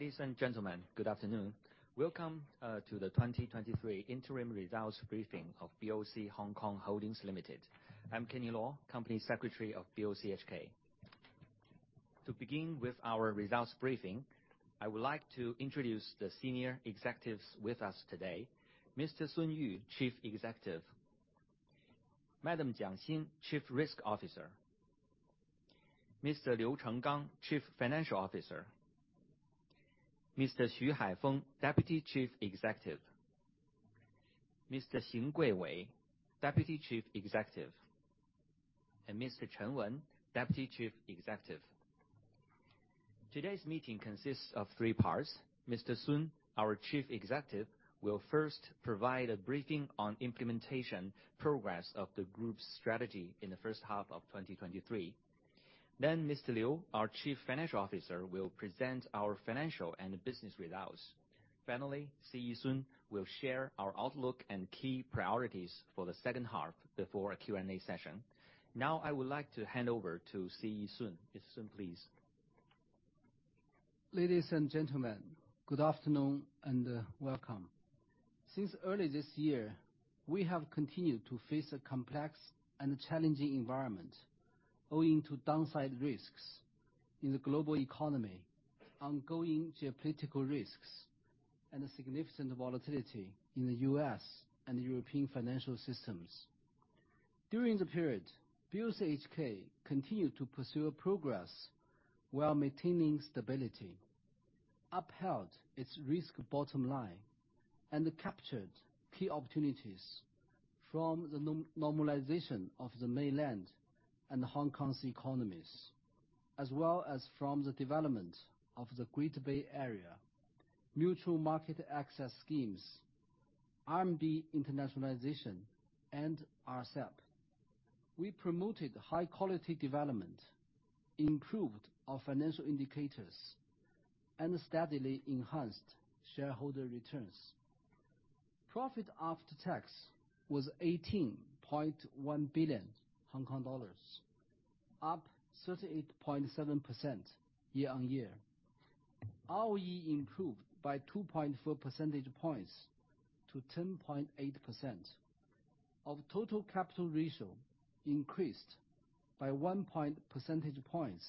Ladies and gentlemen, good afternoon. Welcome to the 2023 interim results briefing of BOC Hong Kong Holdings Limited. I'm Kenny Law, Company Secretary of BOCHK. To begin with our results briefing, I would like to introduce the senior executives with us today. Mr. Sun Yu, Chief Executive, Madam Jiang Xin, Chief Risk Officer, Mr. Liu Chenggang, Chief Financial Officer, Mr. Xu Haifeng, Deputy Chief Executive, Mr. Xing Guiwei, Deputy Chief Executive, and Mr. Chen Wen, Deputy Chief Executive. Today's meeting consists of three parts. Mr. Sun, our Chief Executive, will first provide a briefing on implementation progress of the Group's strategy in the first half of 2023. Then Mr. Liu, our Chief Financial Officer, will present our financial and business results. Finally, Mr. Sun will share our outlook and key priorities for the second half before a Q&A session. Now, I would like to hand over to Sun Yu. Mr. Sun, please. Ladies and gentlemen, good afternoon and welcome. Since early this year, we have continued to face a complex and challenging environment owing to downside risks in the global economy, ongoing geopolitical risks, and a significant volatility in the U.S. and European financial systems. During the period, BOCHK continued to pursue a progress while maintaining stability, upheld its risk bottom line, and captured key opportunities from the normalization of the mainland and Hong Kong's economies, as well as from the development of the Greater Bay Area, mutual market access schemes, RMB internationalization, and RCEP. We promoted high quality development, improved our financial indicators, and steadily enhanced shareholder returns. Profit after tax was 18.1 billion Hong Kong dollars, up 38.7% year-on-year. ROE improved by 2.4 percentage points to 10.8%. The total capital ratio increased by one percentage point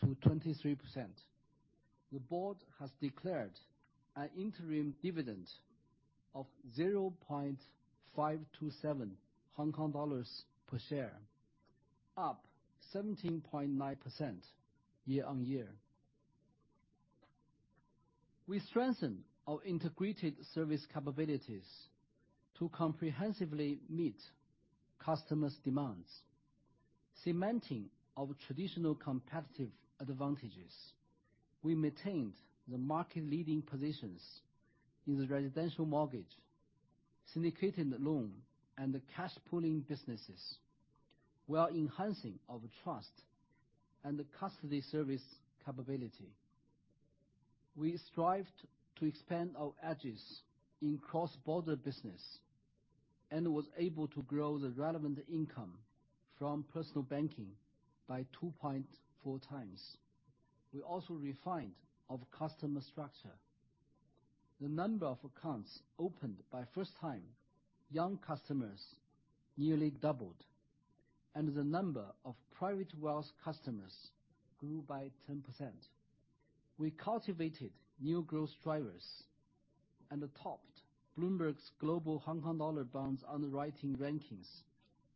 to 23%. The board has declared an interim dividend of 0.527 Hong Kong dollars per share, up 17.9% year-on-year. We strengthened our integrated service capabilities to comprehensively meet customers' demands. Cementing our traditional competitive advantages, we maintained the market-leading positions in the residential mortgage, syndicated loan, and the cash pooling businesses, while enhancing our trust and the custody service capability. We strived to expand our edges in cross-border business and was able to grow the relevant income from personal banking by 2.4 times. We also refined our customer structure. The number of accounts opened by first-time young customers nearly doubled, and the number of private wealth customers grew by 10%. We cultivated new growth drivers and topped Bloomberg's global Hong Kong dollar bonds underwriting rankings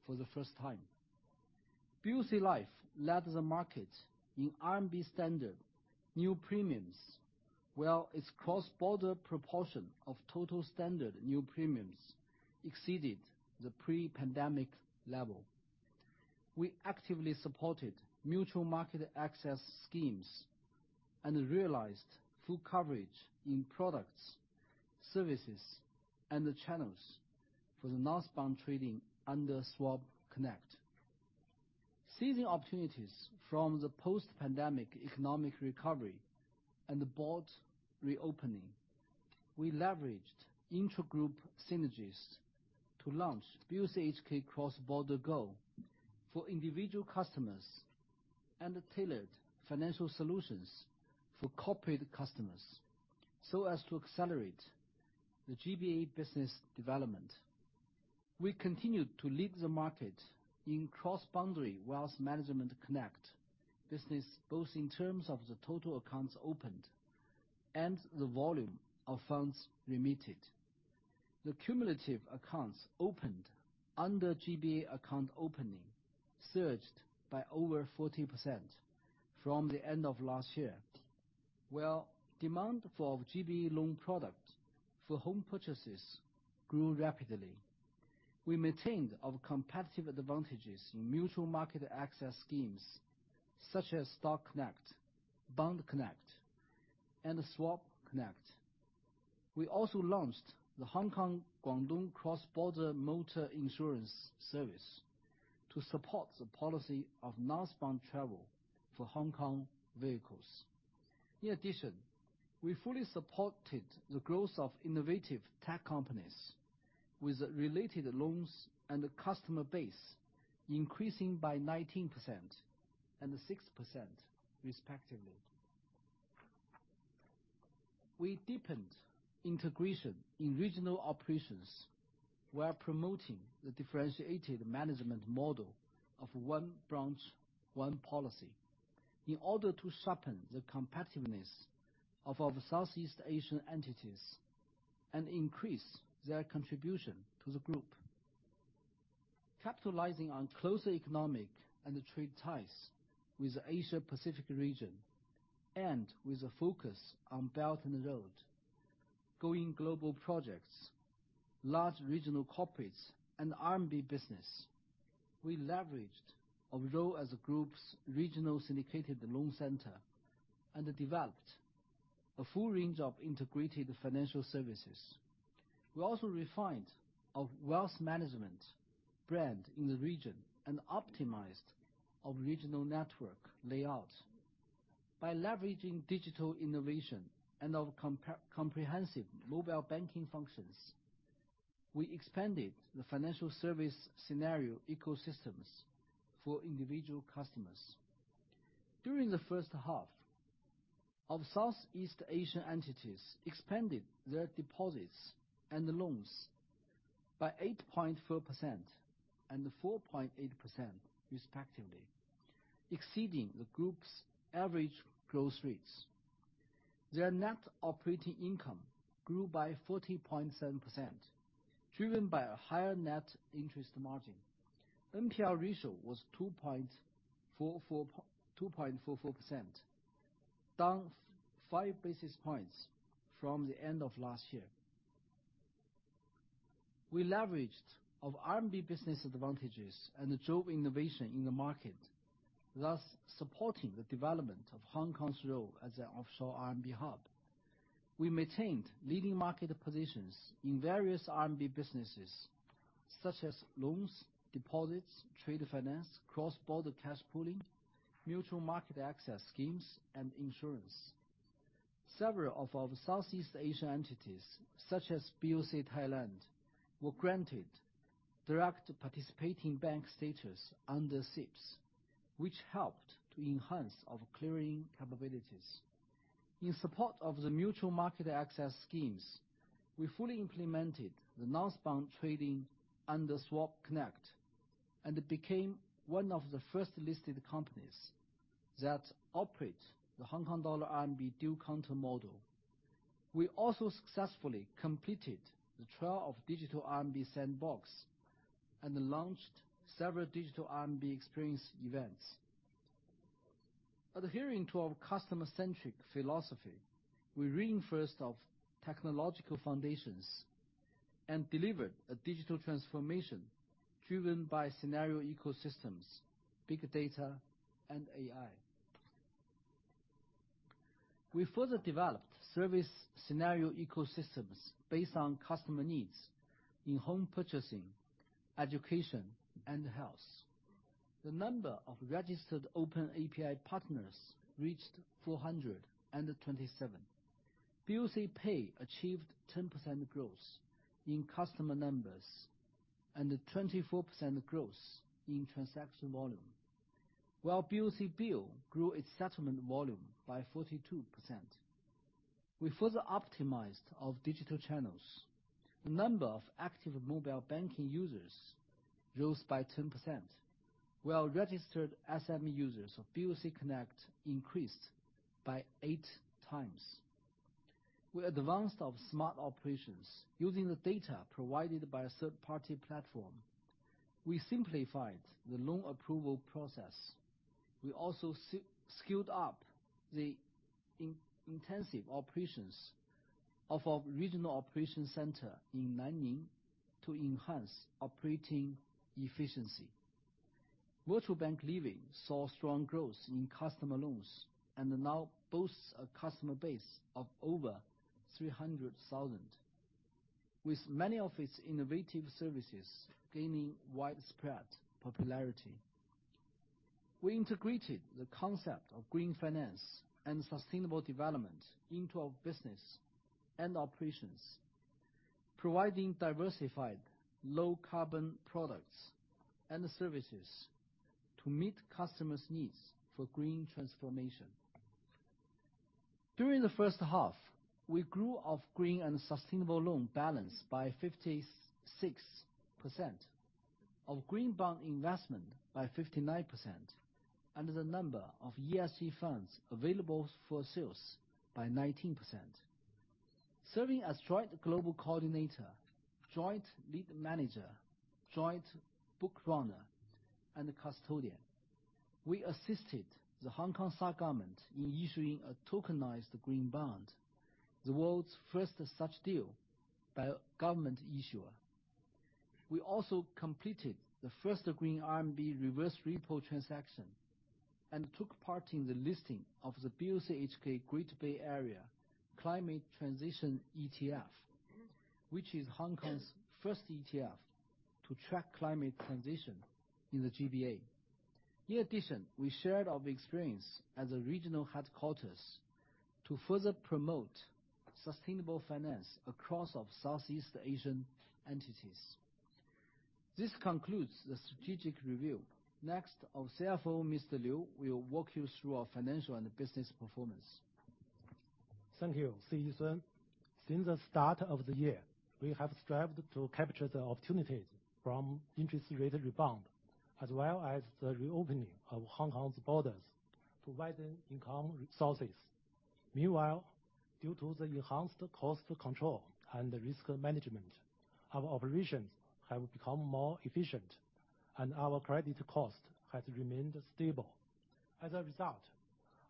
for the first time. BOC Life led the market in RMB standard new premiums, while its cross-border proportion of total standard new premiums exceeded the pre-pandemic level. We actively supported mutual market access schemes and realized full coverage in products, services, and the channels for the northbound trading under Swap Connect. Seizing opportunities from the post-pandemic economic recovery and the border reopening, we leveraged intragroup synergies to launch BOCHK Cross-border GO for individual customers and tailored financial solutions for corporate customers, so as to accelerate the GBA business development. We continued to lead the market in Cross-Boundary Wealth Management Connect business, both in terms of the total accounts opened and the volume of funds remitted. The cumulative accounts opened under GBA account opening surged by over 40% from the end of last year, while demand for GBA loan product for home purchases grew rapidly. We maintained our competitive advantages in mutual market access schemes such as Stock Connect, Bond Connect, and Swap Connect. We also launched the Hong Kong-Guangdong Cross-Border Motor Insurance service to support the policy of Northbound Travel for Hong Kong Vehicles. In addition, we fully supported the growth of innovative tech companies.... with related loans and customer base increasing by 19% and 6% respectively. We deepened integration in regional operations while promoting the differentiated management model of One Branch, One Policy, in order to sharpen the competitiveness of our Southeast Asian entities and increase their contribution to the group. Capitalizing on closer economic and trade ties with the Asia-Pacific region, and with a focus on Belt and Road, Going Global projects, large regional corporates, and RMB business, we leveraged our role as a group's regional syndicated loan center and developed a full range of integrated financial services. We also refined our wealth management brand in the region and optimized our regional network layout. By leveraging digital innovation and our comprehensive mobile banking functions, we expanded the financial service scenario ecosystems for individual customers. During the first half, our Southeast Asian entities expanded their deposits and the loans by 8.4% and 4.8% respectively, exceeding the group's average growth rates. Their net operating income grew by 14.7%, driven by a higher net interest margin. NPL ratio was 2.44%, down five basis points from the end of last year. We leveraged our RMB business advantages and drove innovation in the market, thus supporting the development of Hong Kong's role as an offshore RMB hub. We maintained leading market positions in various RMB businesses, such as loans, deposits, trade finance, cross-border cash pooling, mutual market access schemes, and insurance. Several of our Southeast Asian entities, such as BOC Thailand, were granted direct participating bank status under CIPS, which helped to enhance our clearing capabilities. In support of the mutual market access schemes, we fully implemented the northbound trading under Swap Connect, and it became one of the first listed companies that operate the Hong Kong dollar RMB dual-counter model. We also successfully completed the trial of digital RMB sandbox and launched several digital RMB experience events. Adhering to our customer-centric philosophy, we reinforced our technological foundations and delivered a digital transformation driven by scenario ecosystems, big data, and AI. We further developed service scenario ecosystems based on customer needs in home purchasing, education, and health. The number of registered open API partners reached 427. BoC Pay achieved 10% growth in customer numbers and a 24% growth in transaction volume, while BoC Bill grew its settlement volume by 42%. We further optimized our digital channels. The number of active mobile banking users rose by 10%, while registered SME users of BoC Connect increased by eight times. We advanced our smart operations using the data provided by a third-party platform. We simplified the loan approval process. We also scaled up the intensive operations of our regional operation center in Nanning to enhance operating efficiency. Livi Bank saw strong growth in customer loans and now boasts a customer base of over 300,000, with many of its innovative services gaining widespread popularity. We integrated the concept of green finance and sustainable development into our business and operations, providing diversified low-carbon products and services to meet customers' needs for green transformation. During the first half, we grew our green and sustainable loan balance by 56%, our green bond investment by 59%, and the number of ESG funds available for sales by 19%. Serving as joint global coordinator, joint lead manager, joint book runner, and custodian, we assisted the Hong Kong SAR government in issuing a tokenized green bond, the world's first such deal by a government issuer. We also completed the first green RMB reverse repo transaction and took part in the listing of the BOCHK Greater Bay Area Climate Transition ETF, which is Hong Kong's first ETF to track climate transition in the GBA. In addition, we shared our experience as a regional headquarters to further promote sustainable finance across our Southeast Asian entities. This concludes the strategic review. Next, our CFO, Mr. Liu, will walk you through our financial and business performance. Thank you, Sun Yu. Since the start of the year, we have strived to capture the opportunities from interest rate rebound, as well as the reopening of Hong Kong's borders to widen income sources. Meanwhile, due to the enhanced cost control and risk management, our operations have become more efficient and our credit cost has remained stable. As a result,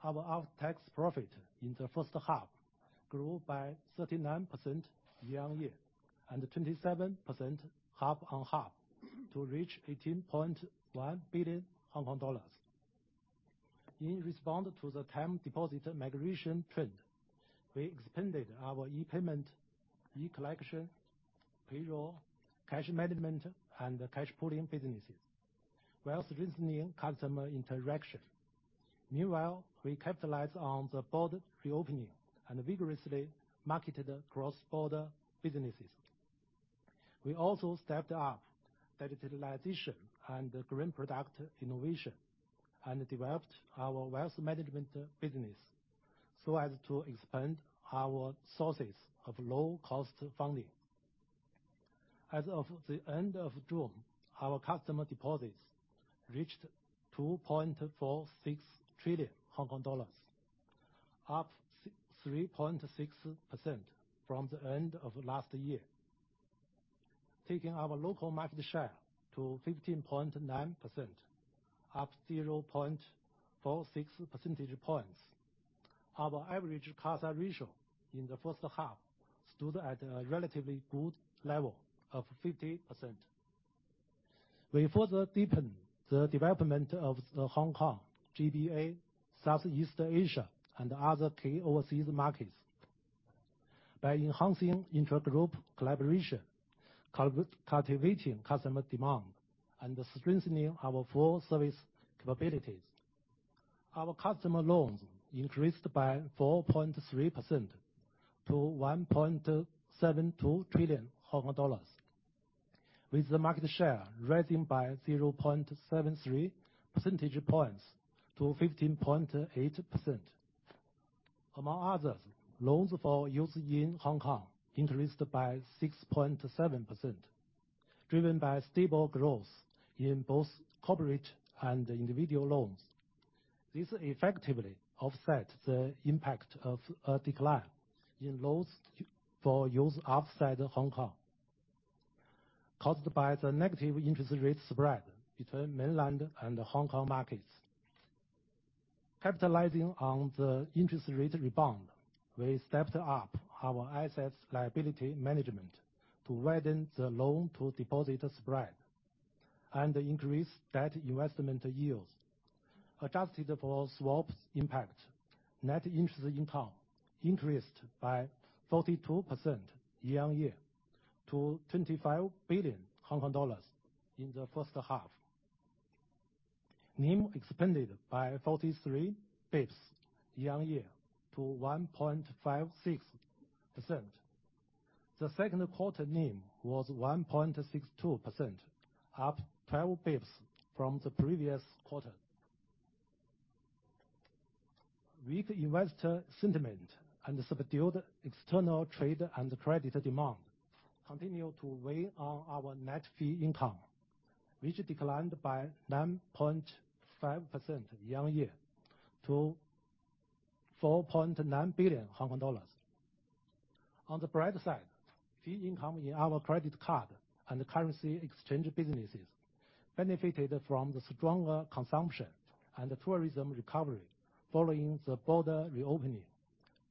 our after-tax profit in the first half grew by 39% year-on-year, and 27% half-on-half to reach 18.1 billion Hong Kong dollars. In response to the term deposit migration trend, we expanded our e-payment, e-collection, payroll, cash management, and cash pooling businesses, while strengthening customer interaction. Meanwhile, we capitalize on the border reopening and vigorously marketed cross-border businesses. We also stepped up digitalization and green product innovation, and developed our wealth management business so as to expand our sources of low-cost funding. As of the end of June, our customer deposits reached 2.46 trillion Hong Kong dollars, up 3.6% from the end of last year, taking our local market share to 15.9%, up 0.46 percentage points. Our average CASA ratio in the first half stood at a relatively good level of 50%. We further deepen the development of the Hong Kong, GBA, Southeast Asia, and other key overseas markets by enhancing intragroup collaboration, cultivating customer demand, and strengthening our full service capabilities. Our customer loans increased by 4.3% to 1.72 trillion Hong Kong dollars, with the market share rising by 0.73 percentage points to 15.8%. Among others, loans for use in Hong Kong increased by 6.7%, driven by stable growth in both corporate and individual loans. This effectively offset the impact of a decline in loans for use outside Hong Kong, caused by the negative interest rate spread between mainland and the Hong Kong markets. Capitalizing on the interest rate rebound, we stepped up our assets liability management to widen the loan to deposit spread and increase debt investment yields. Adjusted for swaps impact, net interest income increased by 42% year-on-year to 25 billion Hong Kong dollars in the first half. NIM expanded by 43 basis points year-on-year to 1.56%. The second quarter NIM was 1.62%, up 12 basis points from the previous quarter. Weak investor sentiment and subdued external trade and credit demand continued to weigh on our net fee income, which declined by 9.5% year-on-year to 4.9 billion Hong Kong dollars. On the bright side, fee income in our credit card and currency exchange businesses benefited from the stronger consumption and the tourism recovery following the border reopening,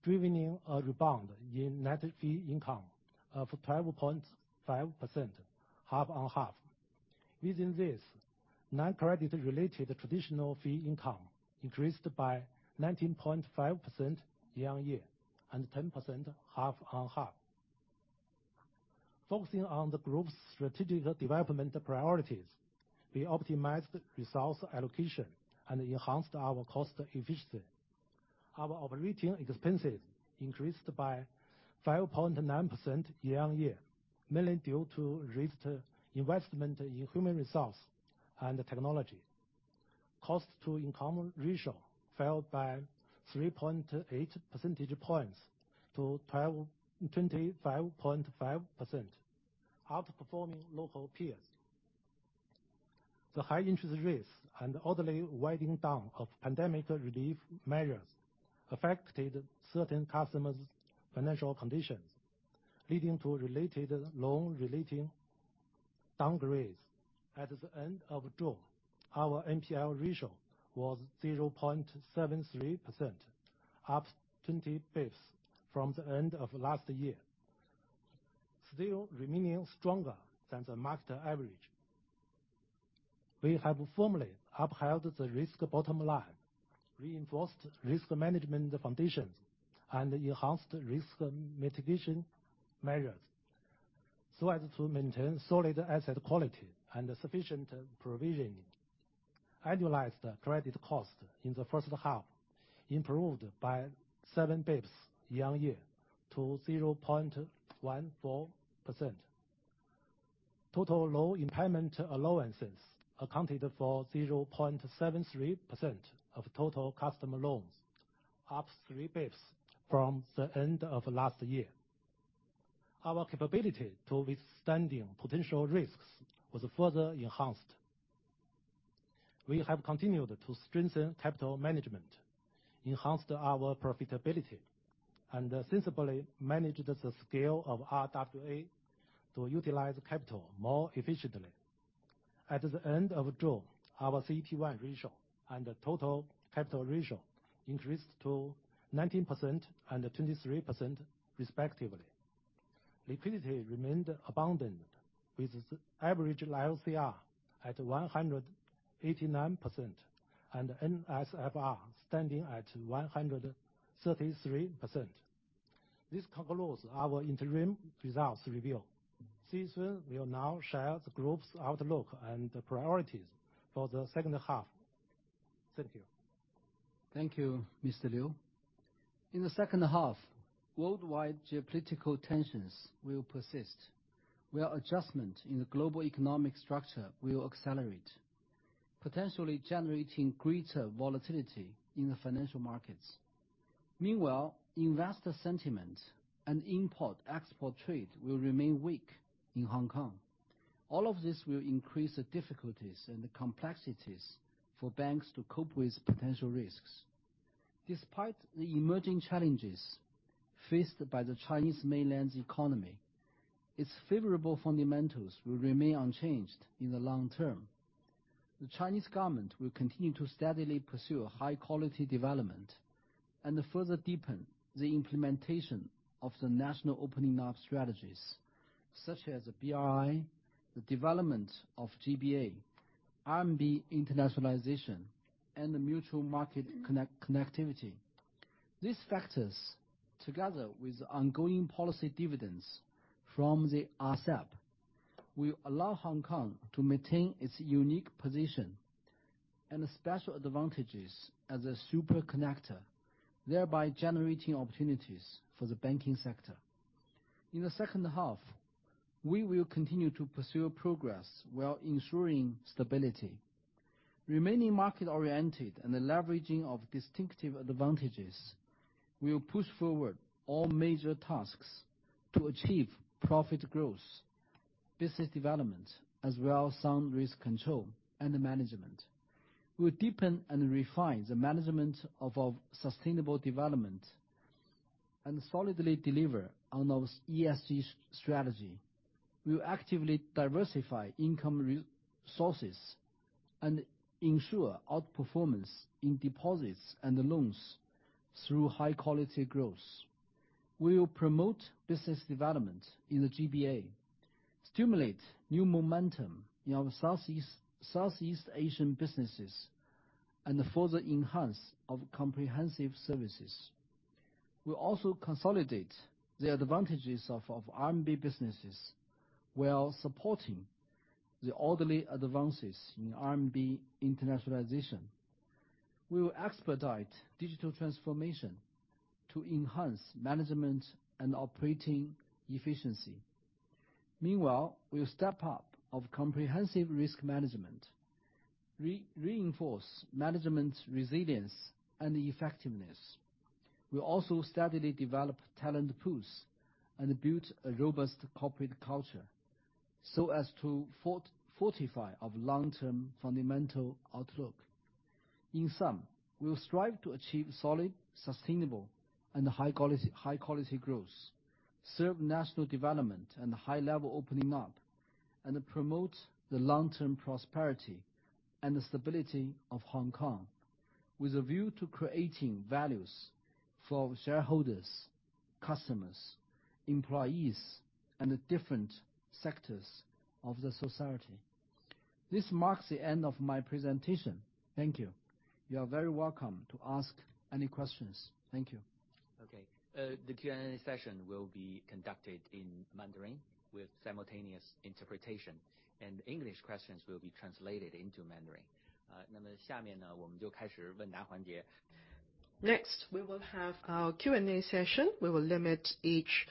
driven in a rebound in net fee income of 12.5% half-on-half. Within this, non-credit related traditional fee income increased by 19.5% year-on-year and 10% half-on-half. Focusing on the group's strategic development priorities, we optimized resource allocation and enhanced our cost efficiency. Our operating expenses increased by 5.9% year-on-year, mainly due to raised investment in human resource and technology. Cost to income ratio fell by 3.8 percentage points to 25.5%, outperforming local peers. The high interest rates and orderly winding down of pandemic relief measures affected certain customers' financial conditions, leading to related loan-related downgrades. At the end of June, our NPL ratio was 0.73%, up 20 basis points from the end of last year, still remaining stronger than the market average. We have firmly upheld the risk bottom line, reinforced risk management foundations, and enhanced risk mitigation measures... so as to maintain solid asset quality and sufficient provisioning. Annualized credit cost in the first half improved by seven basis points year-on-year to 0.14%. Total loan impairment allowances accounted for 0.73% of total customer loans, up three basis points from the end of last year. Our capability to withstanding potential risks was further enhanced. We have continued to strengthen capital management, enhanced our profitability, and sensibly managed the scale of RWA to utilize capital more efficiently. At the end of June, our CET1 ratio and the total capital ratio increased to 19% and 23% respectively. Liquidity remained abundant, with average LCR at 189% and NSFR standing at 133%. This concludes our interim results review. The CE will now share the group's outlook and priorities for the second half. Thank you. Thank you, Mr. Liu. In the second half, worldwide geopolitical tensions will persist, where adjustment in the global economic structure will accelerate, potentially generating greater volatility in the financial markets. Meanwhile, investor sentiment and import/export trade will remain weak in Hong Kong. All of this will increase the difficulties and the complexities for banks to cope with potential risks. Despite the emerging challenges faced by the Chinese mainland's economy, its favorable fundamentals will remain unchanged in the long term. The Chinese government will continue to steadily pursue high-quality development and further deepen the implementation of the national opening up strategies, such as BRI, the development of GBA, RMB internationalization, and the mutual market connect, connectivity. These factors, together with the ongoing policy dividends from the RCEP, will allow Hong Kong to maintain its unique position and special advantages as a super connector, thereby generating opportunities for the banking sector. In the second half, we will continue to pursue progress while ensuring stability. Remaining market-oriented and the leveraging of distinctive advantages will push forward all major tasks to achieve profit growth, business development, as well as sound risk control and management. We'll deepen and refine the management of our sustainable development, and solidly deliver on our ESG strategy. We'll actively diversify income resources and ensure outperformance in deposits and loans through high-quality growth. We will promote business development in the GBA, stimulate new momentum in our Southeast Asian businesses, and further enhance our comprehensive services. We'll also consolidate the advantages of RMB businesses, while supporting the orderly advances in RMB internationalization. We will expedite digital transformation to enhance management and operating efficiency. Meanwhile, we'll step up our comprehensive risk management, reinforce management resilience and effectiveness. We'll also steadily develop talent pools and build a robust corporate culture, so as to fortify our long-term fundamental outlook. In sum, we'll strive to achieve solid, sustainable, and high quality, high-quality growth, serve national development and high-level opening up, and promote the long-term prosperity and stability of Hong Kong, with a view to creating values for shareholders, customers, employees, and the different sectors of the society. This marks the end of my presentation. Thank you. You are very welcome to ask any questions. Thank you. Okay, the Q&A session will be conducted in Mandarin with simultaneous interpretation, and English questions will be translated into Mandarin. Next, we will have our Q&A session. We will limit each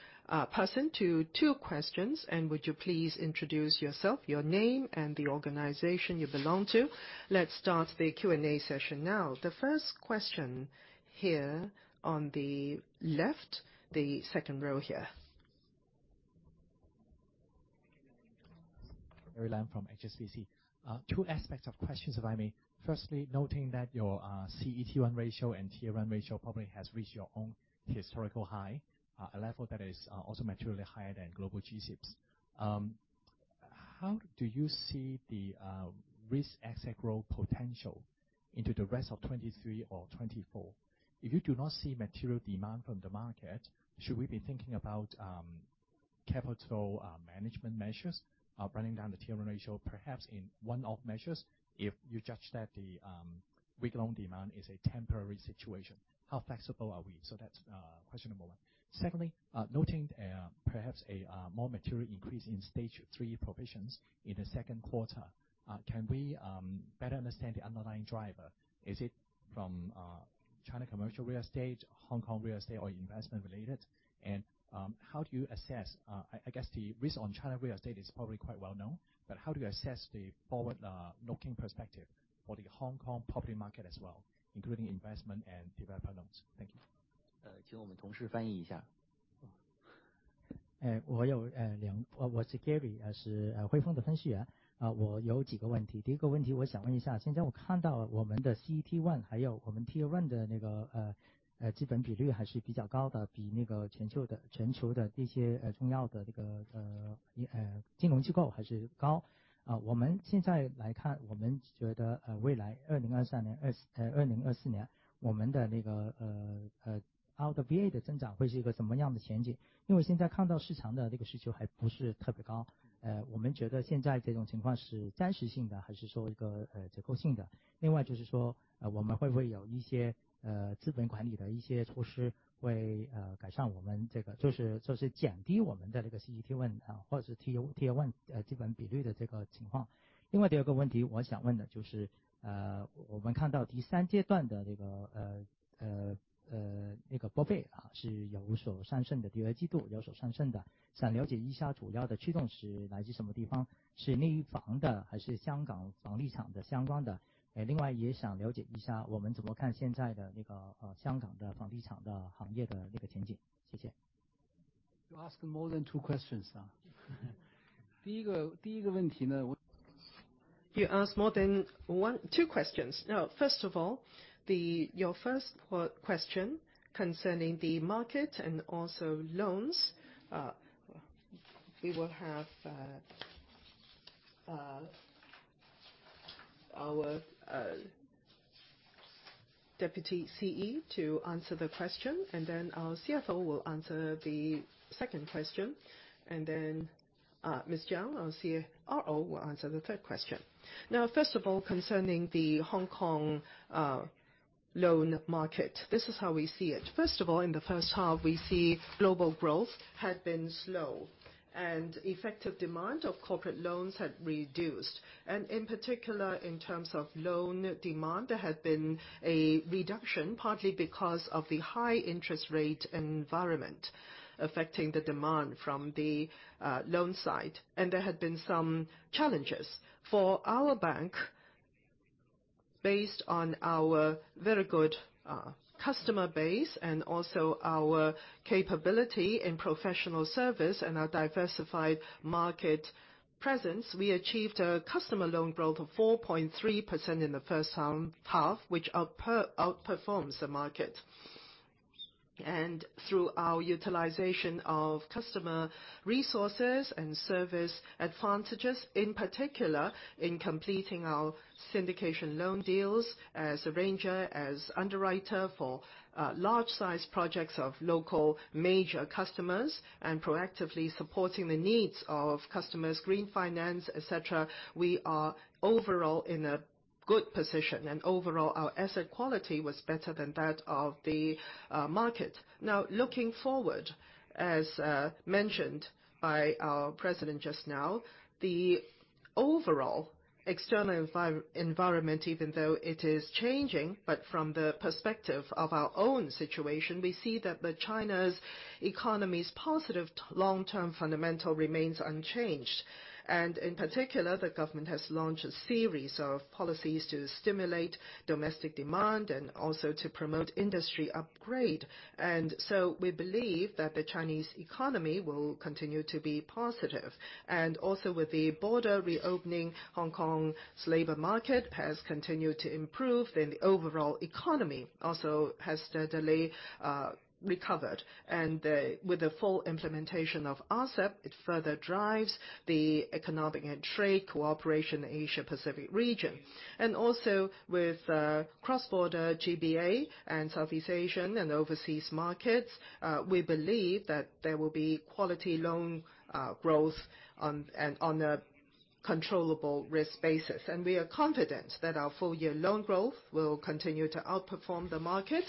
person to two questions, and would you please introduce yourself, your name, and the organization you belong to? Let's start the Q&A session now. The first question here on the left, the second row here. Gary Lam from HSBC. Two aspects of questions, if I may. Firstly, noting that your CET1 ratio and Tier 1 ratio probably has reached your own historical high, a level that is also materially higher than global G-SIBs. How do you see the risk asset growth potential into the rest of 2023 or 2024? If you do not see material demand from the market, should we be thinking about capital management measures bringing down the Tier 1 ratio, perhaps in one-off measures, if you judge that the weak loan demand is a temporary situation, how flexible are we? So that's question number one. Secondly, noting perhaps a more material increase in stage three provisions in the second quarter, can we better understand the underlying driver? Is it from China commercial real estate, Hong Kong real estate, or investment-related? And how do you assess, I guess, the risk on China real estate is probably quite well known, but how do you assess the forward looking perspective for the Hong Kong public market as well, including investment and developer loans? Thank you. Uh, I have several questions. The first question I want to ask is, now I see our CET1 and our Tier one capital ratio is still relatively high, higher than those important financial institutions globally. So looking ahead, how do we think the growth of our RWA in 2023 and 2024 will look like? Because right now the market demand is not particularly high. Do we think the current situation is temporary or structural? Also, will we have some capital management measures to improve this, that is, to reduce our CET1 or Tier 1 capital ratio situation? The second question I want to ask is, we see the third stage provision is significantly higher than the second quarter. I want to understand what the main drivers are. Is it from domestic or Hong Kong real estate related? Also, I want to understand how we view the current situation of the Hong Kong real estate industry outlook. Thank you. You asked more than two questions, sir. You asked more than one... Two questions. Now, first of all, your first question concerning the market and also loans, we will have our Deputy CE to answer the question, and then our CFO will answer the second question, and then Ms. Jiang, our CRO, will answer the third question. Now, first of all, concerning the Hong Kong loan market, this is how we see it. First of all, in the first half, we see global growth had been slow, and effective demand of corporate loans had reduced. In particular, in terms of loan demand, there had been a reduction, partly because of the high interest rate environment affecting the demand from the loan side, and there had been some challenges. For our bank, based on our very good customer base and also our capability in professional service and our diversified market presence, we achieved a customer loan growth of 4.3% in the first half, which outperforms the market. Through our utilization of customer resources and service advantages, in particular, in completing our syndication loan deals as arranger, as underwriter for large-sized projects of local major customers, and proactively supporting the needs of customers, green finance, et cetera, we are overall in a good position, and overall, our asset quality was better than that of the market. Now, looking forward, as mentioned by our president just now, the overall external environment, even though it is changing, but from the perspective of our own situation, we see that China's economy's positive long-term fundamental remains unchanged. And in particular, the government has launched a series of policies to stimulate domestic demand and also to promote industry upgrade. And so we believe that the Chinese economy will continue to be positive. And also, with the border reopening, Hong Kong's labor market has continued to improve, and the overall economy also has steadily recovered. And with the full implementation of RCEP, it further drives the economic and trade cooperation in the Asia Pacific region. And also with cross-border GBA and Southeast Asian and overseas markets, we believe that there will be quality loan growth on, and on a controllable risk basis. And we are confident that our full year loan growth will continue to outperform the market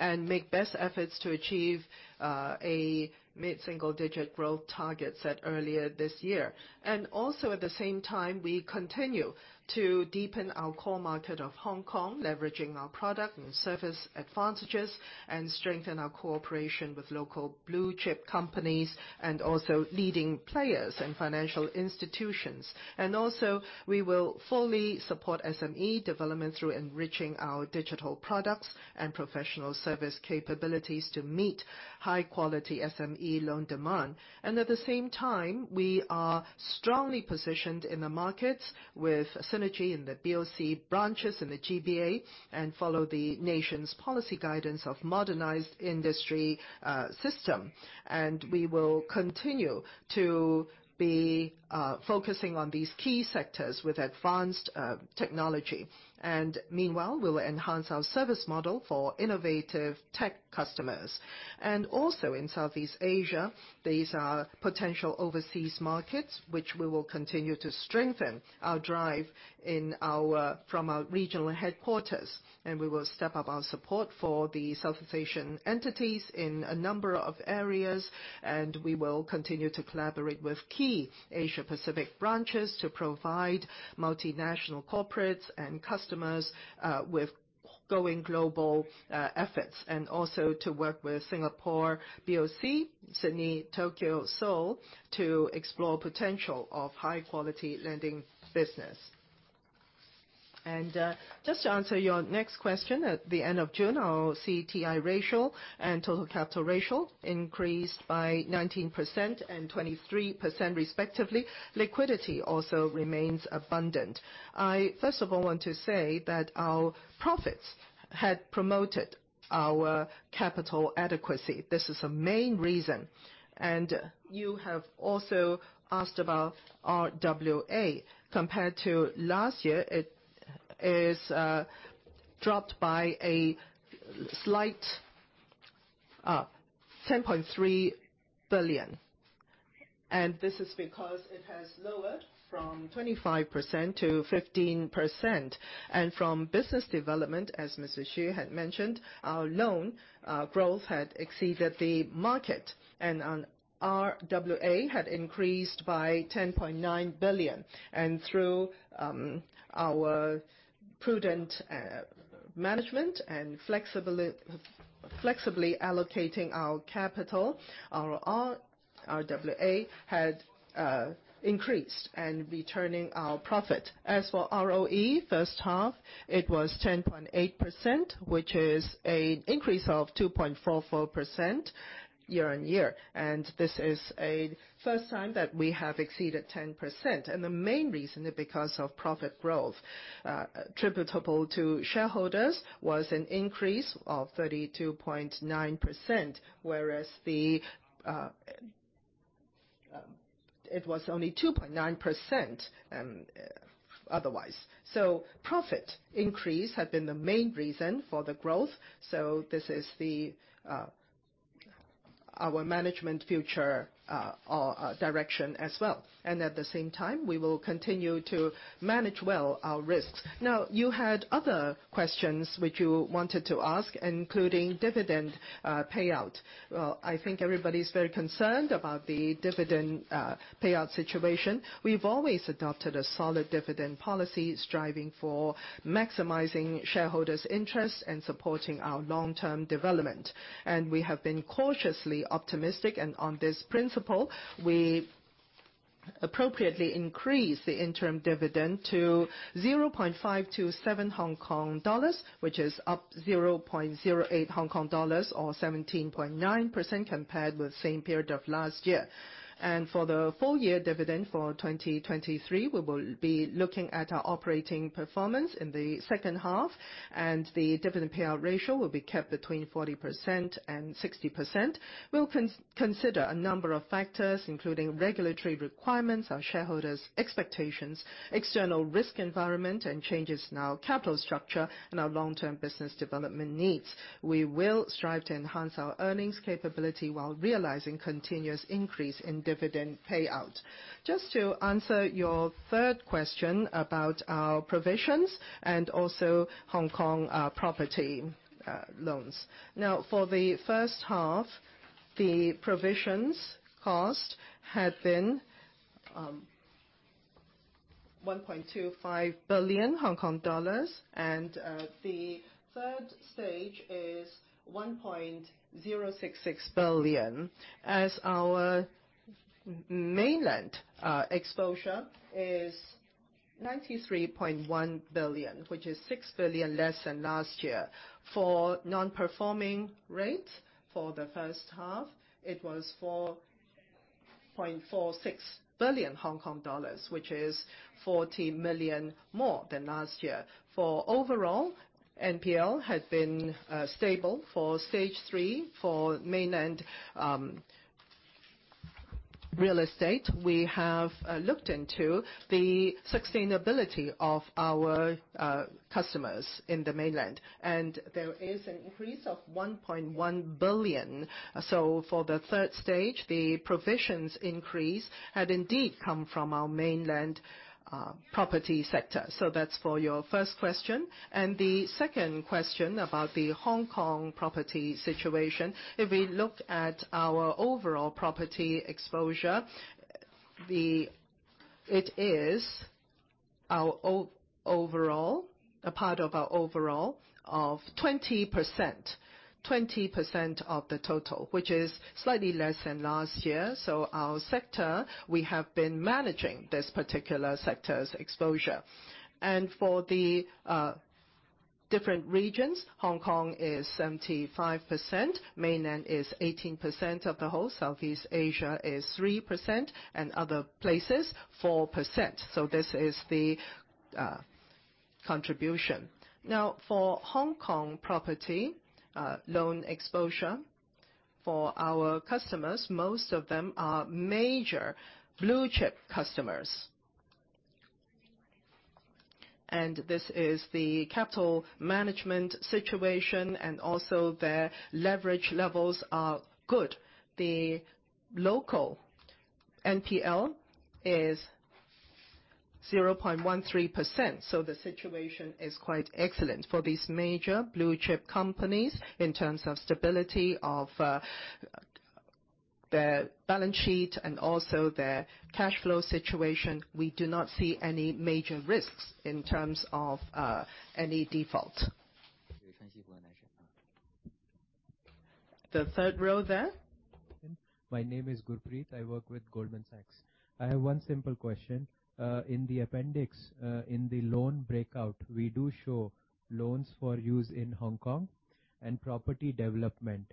and make best efforts to achieve a mid-single digit growth target set earlier this year. And also, at the same time, we continue to deepen our core market of Hong Kong, leveraging our product and service advantages, and strengthen our cooperation with local blue-chip companies and also leading players in financial institutions. And also, we will fully support SME development through enriching our digital products and professional service capabilities to meet high-quality SME loan demand. And at the same time, we are strongly positioned in the markets with synergy in the BOC branches in the GBA and follow the nation's policy guidance of modernized industry system. And we will continue to be focusing on these key sectors with advanced technology. And meanwhile, we will enhance our service model for innovative tech customers. And also in Southeast Asia, these are potential overseas markets, which we will continue to strengthen our drive in our drive from our regional headquarters, and we will step up our support for the Southeast Asian entities in a number of areas. And we will continue to collaborate with key Asia Pacific branches to provide multinational corporates and customers with Going Global efforts, and also to work with Singapore, BOC, Sydney, Tokyo, Seoul, to explore potential of high-quality lending business. And just to answer your next question, at the end of June, our CET1 ratio and total capital ratio increased by 19% and 23% respectively. Liquidity also remains abundant. I, first of all, want to say that our profits had promoted our capital adequacy. This is the main reason, and you have also asked about RWA. Compared to last year, it is dropped by a slight 10.3 billion, and this is because it has lowered from 25%-15%. From business development, as Mr. Xu had mentioned, our loan growth had exceeded the market, and on RWA had increased by 10.9 billion. Through our prudent management and flexibly allocating our capital, our RWA has increased and returning our profit. As for ROE, first half, it was 10.8%, which is an increase of 2.44% year-on-year, and this is the first time that we have exceeded 10%, and the main reason is because of profit growth. Attributable to shareholders was an increase of 32.9%, whereas the it was only 2.9%, otherwise. So profit increase had been the main reason for the growth, so this is the, our management future, direction as well. And at the same time, we will continue to manage well our risks. Now, you had other questions which you wanted to ask, including dividend, payout. Well, I think everybody is very concerned about the dividend, payout situation. We've always adopted a solid dividend policy, striving for maximizing shareholders' interests and supporting our long-term development, and we have been cautiously optimistic. And on this principle, we appropriately increased the interim dividend to 0.527 Hong Kong dollars, which is up 0.08 Hong Kong dollars or 17.9% compared with the same period of last year. And for the full year dividend for 2023, we will be looking at our operating performance in the second half, and the dividend payout ratio will be kept between 40% and 60%. We'll consider a number of factors, including regulatory requirements, our shareholders' expectations, external risk environment, and changes in our capital structure, and our long-term business development needs. We will strive to enhance our earnings capability while realizing continuous increase in dividend payout. Just to answer your third question about our provisions and also Hong Kong property loans. Now, for the first half, the provisions cost had been 1.25 billion Hong Kong dollars, and the third stage is 1.066 billion, as our mainland exposure is 93.1 billion, which is six billion less than last year. For non-performing rate, for the first half, it was 4.46 billion Hong Kong dollars, which is 40 million more than last year. For overall, NPL had been stable. For Stage Three, for mainland real estate, we have looked into the sustainability of our customers in the mainland, and there is an increase of 1.1 billion. So for the third stage, the provisions increase had indeed come from our mainland property sector. So that's for your first question. The second question about the Hong Kong property situation, if we look at our overall property exposure, it is our overall, a part of our overall 20%. 20% of the total, which is slightly less than last year. So our sector, we have been managing this particular sector's exposure. For the different regions, Hong Kong is 75%, mainland is 18% of the whole, Southeast Asia is 3%, and other places, 4%, so this is the contribution. Now, for Hong Kong property loan exposure, for our customers, most of them are major blue-chip customers. This is the capital management situation, and also their leverage levels are good. The local NPL is 0.13%, so the situation is quite excellent for these major blue-chip companies in terms of stability of their balance sheet and also their cash flow situation. We do not see any major risks in terms of any default.... The third row there? My name is Gurpreet. I work with Goldman Sachs. I have one simple question. In the appendix, in the loan breakout, we do show loans for use in Hong Kong and property development.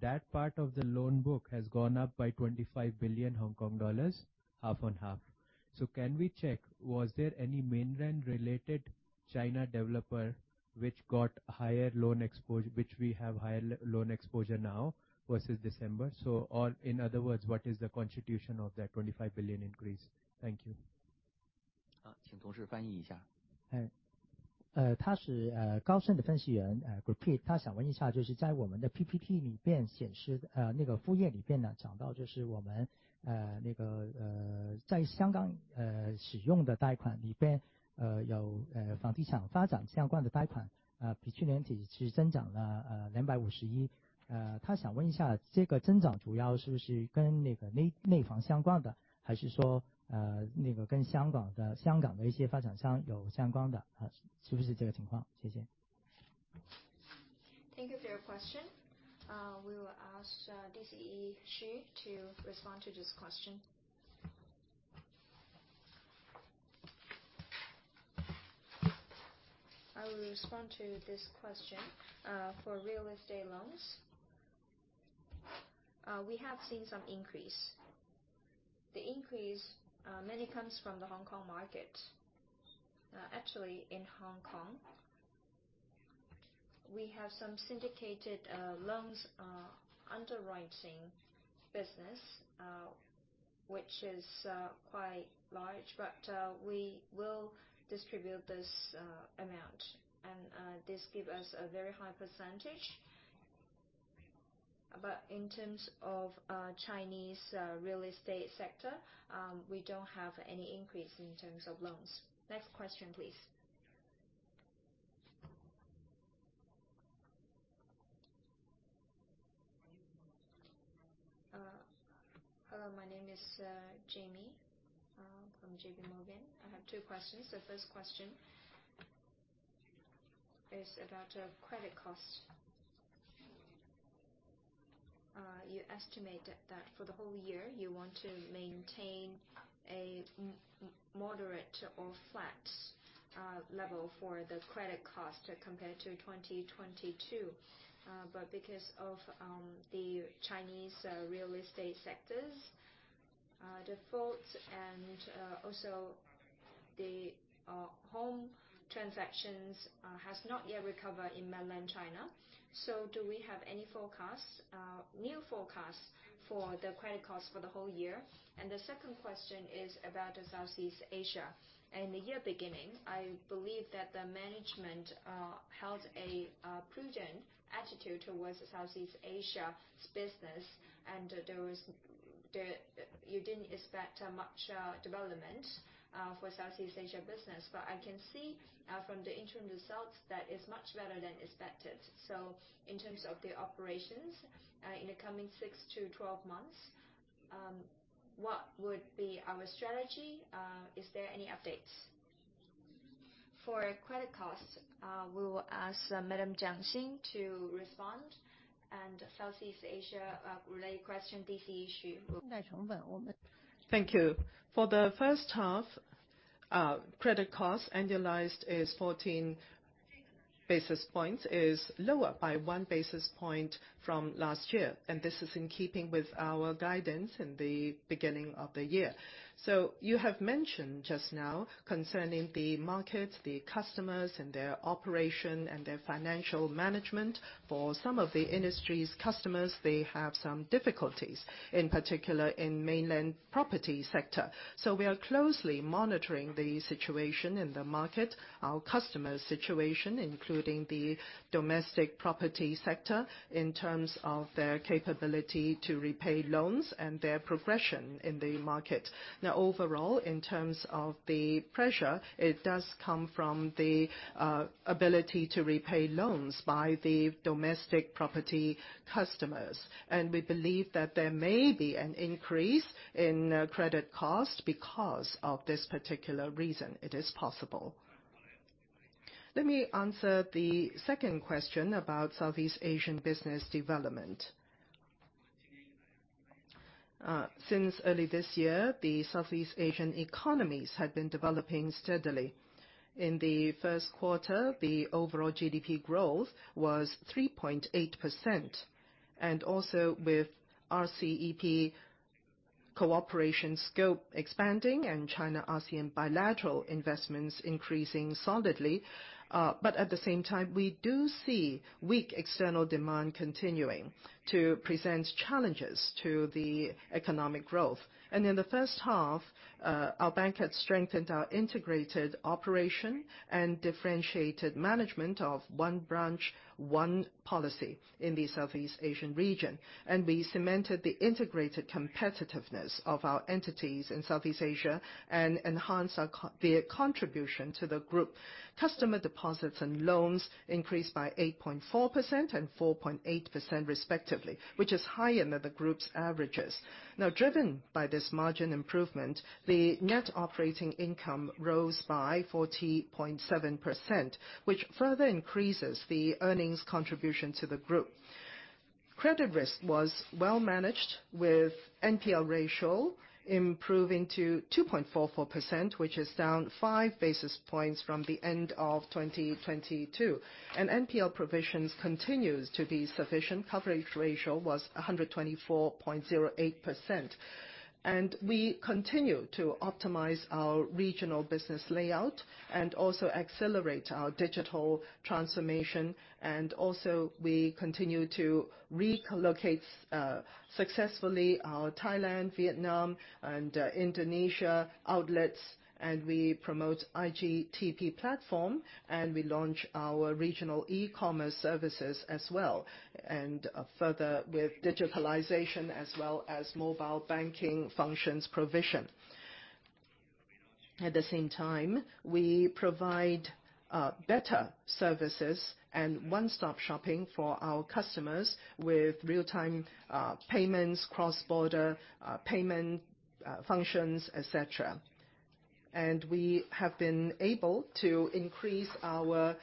That part of the loan book has gone up by 25 billion Hong Kong dollars, half on half. So can we check, was there any mainland-related China developer which got higher loan exposure, which we have higher loan exposure now versus December? So or in other words, what is the constitution of that 25 billion increase? Thank you. Thank you for your question. We will ask DCE Xu to respond to this question. I will respond to this question. For real estate loans, we have seen some increase. The increase mainly comes from the Hong Kong market. Actually, in Hong Kong, we have some syndicated loans underwriting business, which is quite large, but we will distribute this amount, and this give us a very high percentage. But in terms of Chinese real estate sector, we don't have any increase in terms of loans. Next question, please. Hello, my name is Jemmy from JP Morgan. I have two questions. The first question is about credit costs. You estimated that for the whole year, you want to maintain a moderate or flat level for the credit cost compared to 2022. But because of the Chinese real estate sectors defaults, and also the home transactions has not yet recovered in mainland China. So do we have any forecasts, new forecasts for the credit costs for the whole year? And the second question is about Southeast Asia. In the year beginning, I believe that the management held a prudent attitude towards Southeast Asia's business, and you didn't expect much development for Southeast Asia business. But I can see from the interim results that it's much better than expected. So in terms of the operations, in the coming six-12 months, what would be our strategy? Is there any updates? For credit costs, we will ask Madam Jiang Xin to respond, and Southeast Asia, related question, DCE Xu. Thank you. For the first half, credit cost annualized is 14 basis points, is lower by one basis point from last year, and this is in keeping with our guidance in the beginning of the year. So you have mentioned just now, concerning the market, the customers, and their operation, and their financial management. For some of the industry's customers, they have some difficulties, in particular, in mainland property sector. So we are closely monitoring the situation in the market, our customer situation, including the domestic property sector, in terms of their capability to repay loans and their progression in the market. Now, overall, in terms of the pressure, it does come from the ability to repay loans by the domestic property customers, and we believe that there may be an increase in credit cost because of this particular reason. It is possible. Let me answer the second question about Southeast Asian business development. Since early this year, the Southeast Asian economies have been developing steadily. In the first quarter, the overall GDP growth was 3.8%, and also with RCEP cooperation scope expanding and China-ASEAN bilateral investments increasing solidly. But at the same time, we do see weak external demand continuing to present challenges to the economic growth. In the first half, our bank had strengthened our integrated operation and differentiated management of one branch, one policy in the Southeast Asian region. We cemented the integrated competitiveness of our entities in Southeast Asia and enhanced the contribution to the group. Customer deposits and loans increased by 8.4% and 4.8%, respectively, which is higher than the group's averages. Now, driven by this margin improvement, the net operating income rose by 40.7%, which further increases the earnings contribution to the group. Credit risk was well-managed, with NPL ratio improving to 2.44%, which is down five basis points from the end of 2022. NPL provisions continues to be sufficient. Coverage ratio was 124.08%. We continue to optimize our regional business layout and also accelerate our digital transformation. We also continue to re-collocate successfully our Thailand, Vietnam, and Indonesia outlets, and we promote iGTB platform, and we launch our regional e-commerce services as well, and further with digitalization as well as mobile banking functions provision. At the same time, we provide better services and one-stop shopping for our customers with real-time payments, cross-border payment functions, et cetera. We have been able to increase our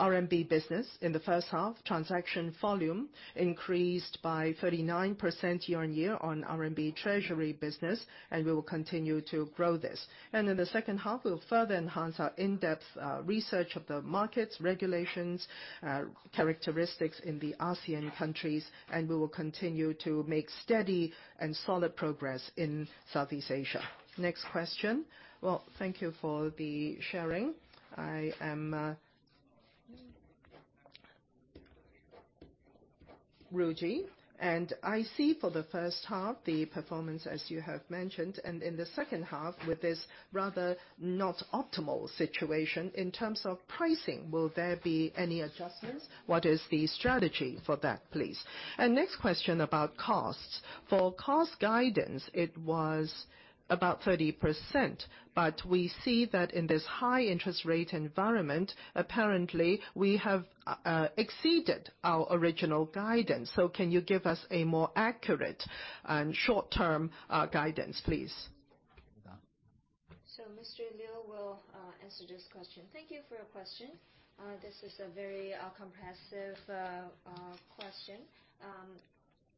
RMB business in the first half. Transaction volume increased by 39% year-on-year on RMB treasury business, and we will continue to grow this. In the second half, we'll further enhance our in-depth research of the markets, regulations, characteristics in the ASEAN countries, and we will continue to make steady and solid progress in Southeast Asia. Next question? Well, thank you for the sharing. I am Richard, and I see for the first half, the performance, as you have mentioned, and in the second half, with this rather not optimal situation, in terms of pricing, will there be any adjustments? What is the strategy for that, please? Next question about costs. For cost guidance, it was about 30%, but we see that in this high interest rate environment, apparently, we have exceeded our original guidance. So can you give us a more accurate and short-term guidance, please? So Mr. Liu will answer this question. Thank you for your question. This is a very comprehensive question.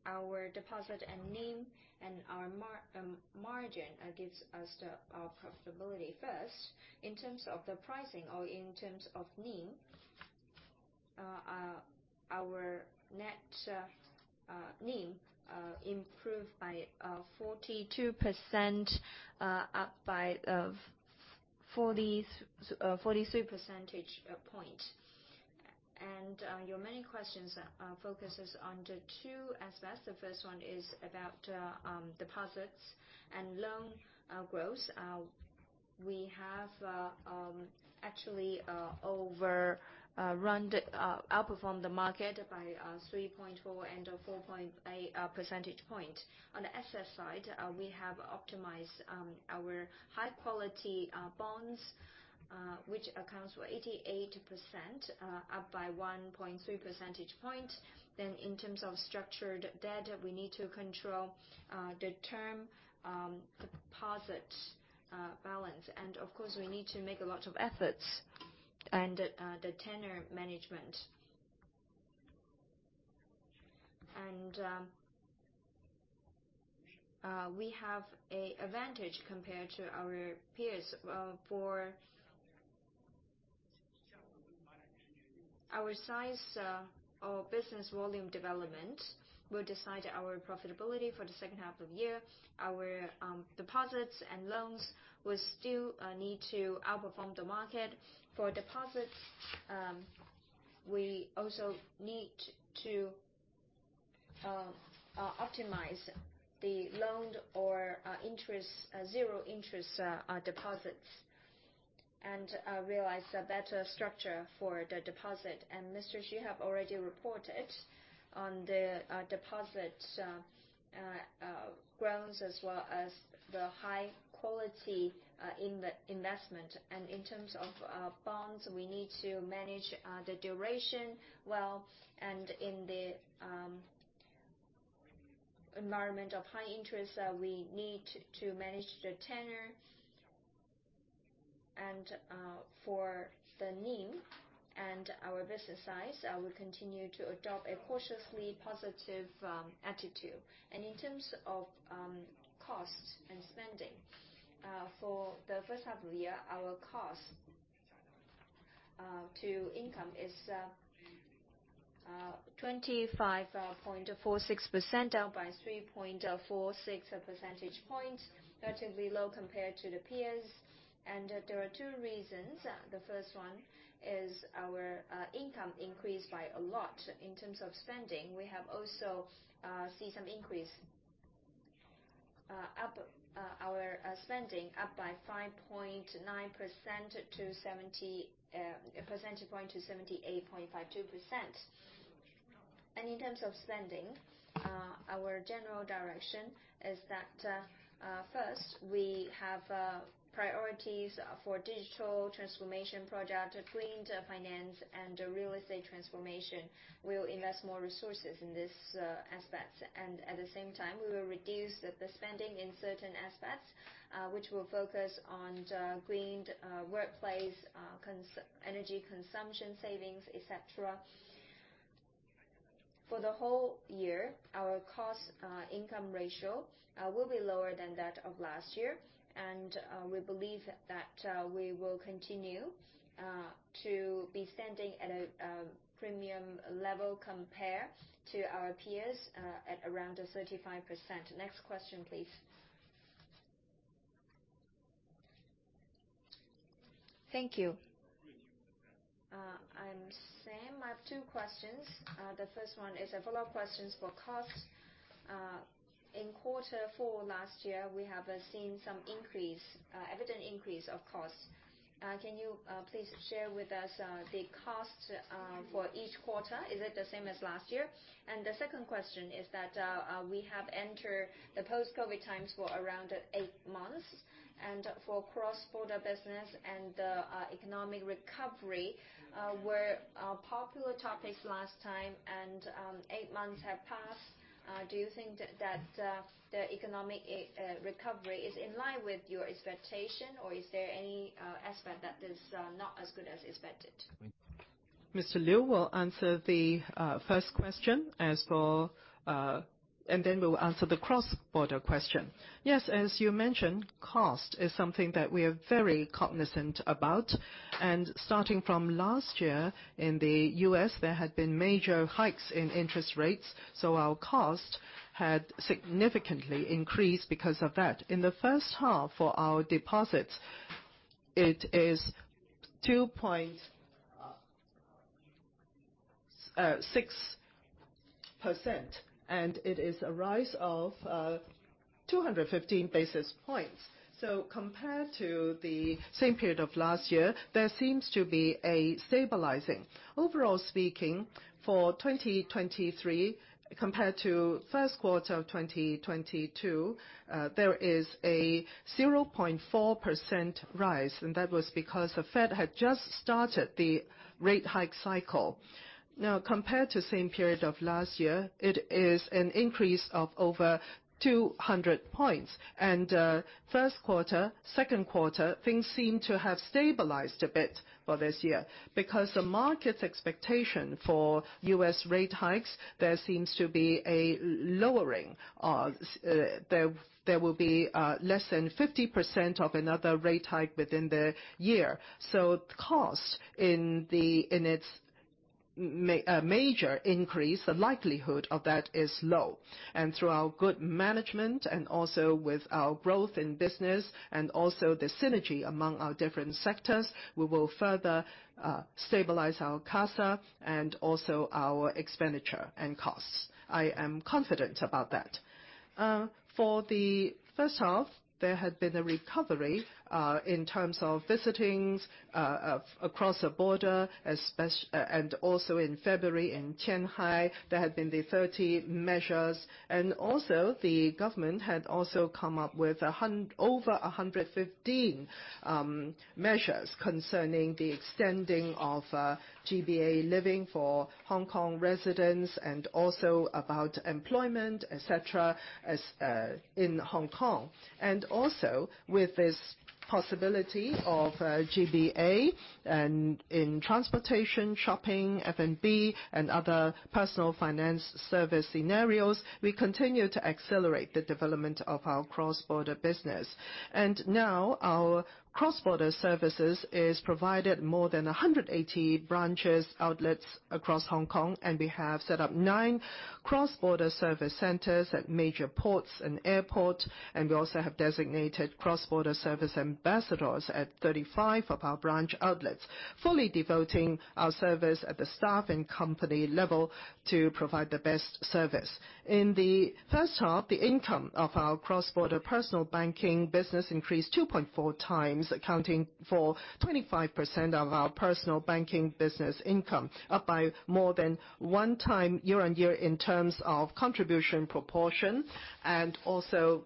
Our deposit and NIM and our margin gives us our profitability first. In terms of the pricing or in terms of NIM, our net NIM improved by 42%, up by 43 percentage points. And your many questions focuses on the two aspects. The first one is about deposits and loan growth. We have actually outperformed the market by 3.4 and 4.8 percentage points. On the asset side, we have optimized our high quality bonds, which accounts for 88%, up by 1.3 percentage point. Then in terms of structured debt, we need to control the term deposit balance. And of course, we need to make a lot of efforts and the tenure management. And we have a advantage compared to our peers. Our size or business volume development will decide our profitability for the second half of the year. Our deposits and loans will still need to outperform the market. For deposits, we also need to optimize the loan or interest zero interest deposits and realize a better structure for the deposit. And Mr. Xu have already reported on the deposit growth, as well as the high quality in the investment. In terms of bonds, we need to manage the duration well, and in the environment of high interest, we need to manage the tenure. For the NIM and our business size, we'll continue to adopt a cautiously positive attitude. In terms of costs and spending, for the first half of the year, our cost to income is 25.46%, down by 3.46 percentage points, relatively low compared to the peers. There are two reasons. The first one is our income increased by a lot. In terms of spending, we have also seen some increase in our spending up by 5.9 percentage points to 78.52%. In terms of spending, our general direction is that first, we have priorities for digital transformation project, clean finance, and the real estate transformation. We'll invest more resources in these aspects, and at the same time, we will reduce the spending in certain aspects, which will focus on the green workplace conservation, energy consumption savings, et cetera. ...For the whole year, our cost income ratio will be lower than that of last year, and we believe that we will continue to be standing at a premium level compared to our peers at around 35%. Next question, please. Thank you. I'm Sam. I have two questions. The first one is a follow-up questions for cost. In quarter four last year, we have seen some evident increase of costs. Can you please share with us the cost for each quarter? Is it the same as last year? And the second question is that we have entered the post-COVID times for around eight months, and for cross-border business and economic recovery were popular topics last time, and eight months have passed. Do you think that the economic recovery is in line with your expectation, or is there any aspect that is not as good as expected? Mr. Liu will answer the first question as for. And then we'll answer the cross-border question. Yes, as you mentioned, cost is something that we are very cognizant about. And starting from last year, in the US, there had been major hikes in interest rates, so our cost had significantly increased because of that. In the first half, for our deposits, it is 2.6%, and it is a rise of 215 basis points. So compared to the same period of last year, there seems to be a stabilizing. Overall speaking, for 2023, compared to first quarter of 2022, there is a 0.4% rise, and that was because the Fed had just started the rate hike cycle. Now, compared to same period of last year, it is an increase of over 200 points. First quarter, second quarter, things seem to have stabilized a bit for this year. Because the market's expectation for U.S. rate hikes, there seems to be a lowering, there, there will be, less than 50% of another rate hike within the year. So cost in its major increase, the likelihood of that is low. And through our good management and also with our growth in business and also the synergy among our different sectors, we will further, stabilize our CASA and also our expenditure and costs. I am confident about that. For the first half, there had been a recovery in terms of visits across the border, and also in February, in Shanghai, there had been the 30 measures, and also the government had also come up with over 115 measures concerning the extending of GBA living for Hong Kong residents and also about employment, et cetera, as in Hong Kong. And also, with this possibility of GBA and in transportation, shopping, F&B, and other personal finance service scenarios, we continue to accelerate the development of our cross-border business. Now our cross-border services is provided more than 180 branches, outlets across Hong Kong, and we have set up 9 cross-border service centers at major ports and airports, and we also have designated cross-border service ambassadors at 35 of our branch outlets, fully devoting our service at the staff and company level to provide the best service. In the first half, the income of our cross-border personal banking business increased 2.4 times, accounting for 25% of our personal banking business income, up by more than 1 time year-on-year in terms of contribution proportion and also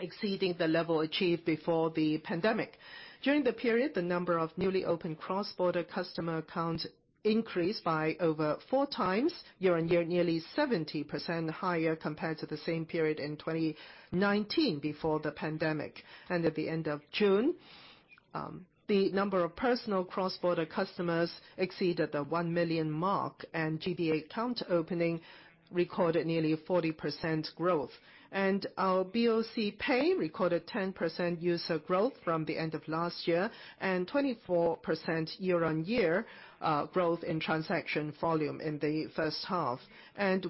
exceeding the level achieved before the pandemic. During the period, the number of newly opened cross-border customer accounts increased by over 4 times, year-on-year, nearly 70% higher compared to the same period in 2019 before the pandemic. At the end of June, the number of personal cross-border customers exceeded the 1 million mark, and GBA account opening recorded nearly 40% growth. Our BOC Pay recorded 10% user growth from the end of last year and 24% year-on-year growth in transaction volume in the first half.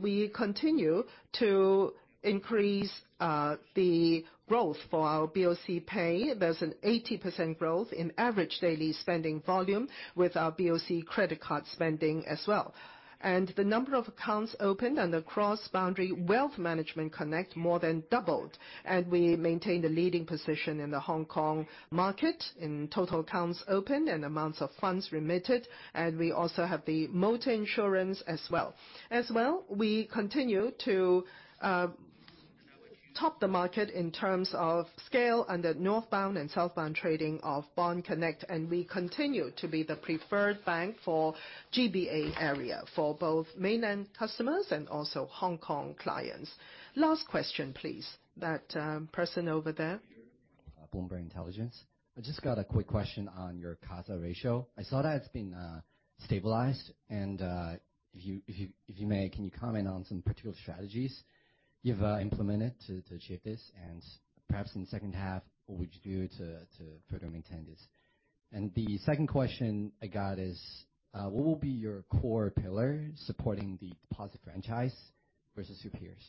We continue to increase the growth for our BOC Pay. There's an 80% growth in average daily spending volume with our BOC credit card spending as well. The number of accounts opened on the Cross-Boundary Wealth Management Connect more than doubled, and we maintained a leading position in the Hong Kong market in total accounts opened and amounts of funds remitted, and we also have the motor insurance as well. As well, we continue to top the market in terms of scale under Northbound and Southbound trading of Bond Connect, and we continue to be the preferred bank for GBA area, for both mainland customers and also Hong Kong clients. Last question, please. That person over there?... Bloomberg Intelligence. I just got a quick question on your CASA ratio. I saw that it's been stabilized, and if you may, can you comment on some particular strategies you've implemented to achieve this? And perhaps in the second half, what would you do to further maintain this? And the second question I got is, what will be your core pillar supporting the deposit franchise versus your peers?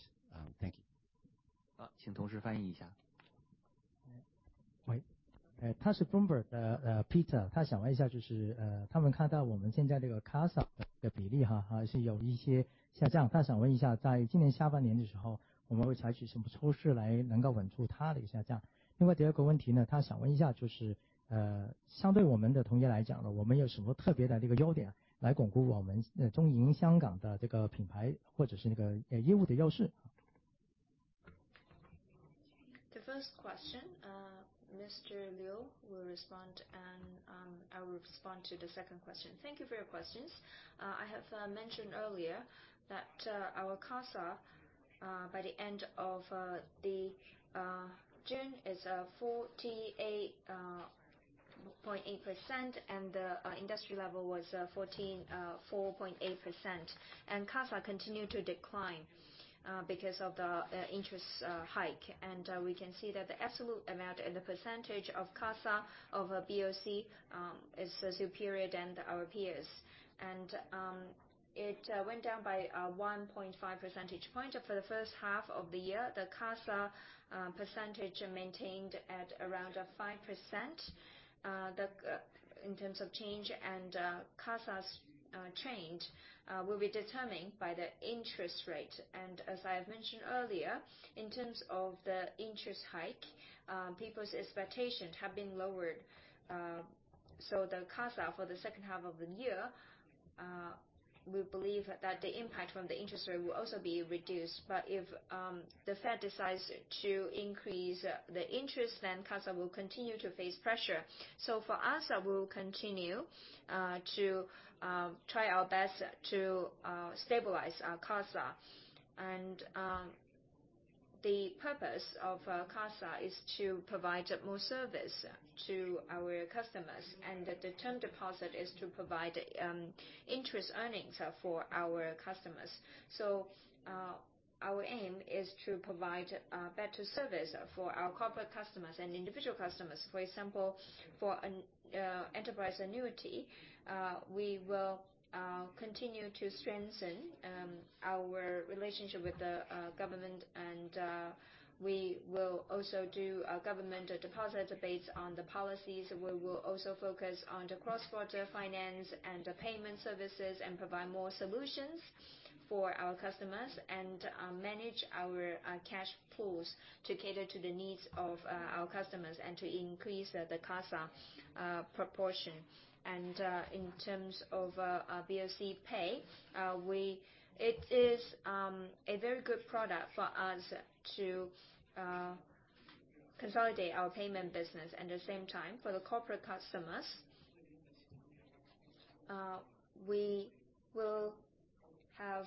Thank you. Uh, The first question, Mr. Liu will respond, and I will respond to the second question. Thank you for your questions. I have mentioned earlier that our CASA by the end of June is 48.8%, and the industry level was 14.48%. CASA continued to decline because of the interest hike. We can see that the absolute amount and the percentage of CASA over BOC is superior than our peers. It went down by 1.5 percentage point. For the first half of the year, the CASA percentage maintained at around 5%. In terms of change and CASAs trend, will be determined by the interest rate. As I have mentioned earlier, in terms of the interest hike, people's expectations have been lowered. So the CASA for the second half of the year, we believe that the impact from the interest rate will also be reduced. But if the Fed decides to increase the interest, then CASA will continue to face pressure. So for us, we will continue to try our best to stabilize our CASA. And the purpose of CASA is to provide more service to our customers, and the term deposit is to provide interest earnings for our customers. So our aim is to provide better service for our corporate customers and individual customers. For example, for an enterprise annuity, we will continue to strengthen our relationship with the government, and we will also do a government deposit based on the policies. We will also focus on the cross-border finance and the payment services, and provide more solutions for our customers, and manage our cash flows to cater to the needs of our customers and to increase the CASA proportion. And in terms of our BoC Pay, it is a very good product for us to consolidate our payment business. At the same time, for the corporate customers, we will have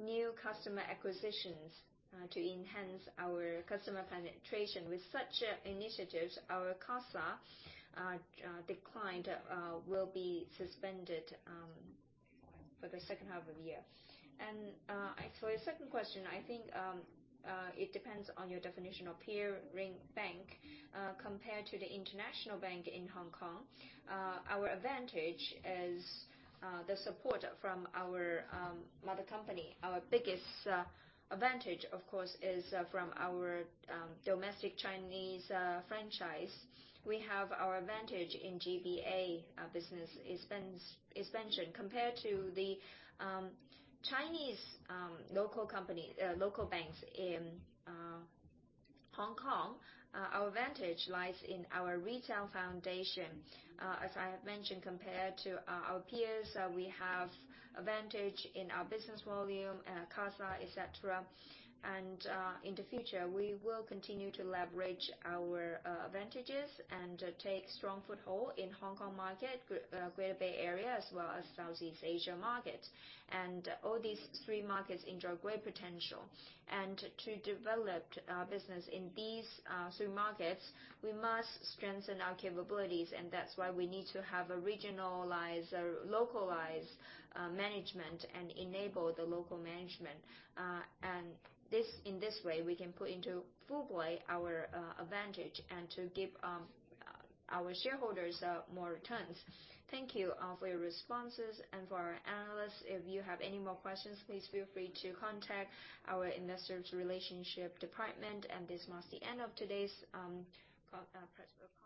new customer acquisitions to enhance our customer penetration. With such initiatives, our CASA declined will be suspended for the second half of the year. So your second question, I think, it depends on your definition of peer bank. Compared to the international bank in Hong Kong, our advantage is the support from our mother company. Our biggest advantage, of course, is from our domestic Chinese franchise. We have our advantage in GBA business expansion. Compared to the Chinese local banks in Hong Kong, our advantage lies in our retail foundation. As I have mentioned, compared to our peers, we have advantage in our business volume, CASA, et cetera. In the future, we will continue to leverage our advantages and take strong foothold in Hong Kong market, Greater Bay Area, as well as Southeast Asia market. All these three markets enjoy great potential. To develop business in these three markets, we must strengthen our capabilities, and that's why we need to have a regionalized, localized management and enable the local management. And in this way, we can put into full play our advantage, and to give our shareholders more returns. Thank you for your responses. For our analysts, if you have any more questions, please feel free to contact our Investor Relations department. This marks the end of today's conference call.